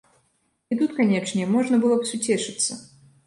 І тут, канечне, можна было б суцешыцца.